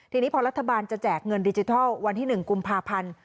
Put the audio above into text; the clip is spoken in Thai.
ทีนี้พอรัฐบาลจะแจกเงินดิจิทัลวันที่๑กุมภาพันธ์